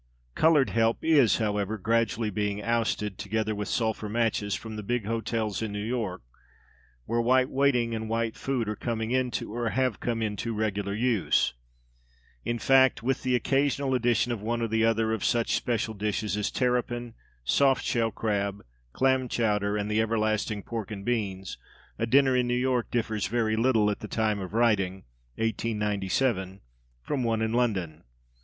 Coloured Help is, however, gradually being ousted (together with sulphur matches) from the big hotels in New York, where white waiting and white food are coming into, or have come into, regular use. In fact, with the occasional addition of one or other of such special dishes as terrapin, soft shell crab, clam chowder, and the everlasting pork and beans, a dinner in New York differs very little at the time of writing (1897) from one in London.